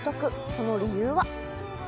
その理由は？